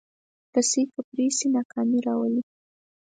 رسۍ که پرې شي، ناکامي راولي.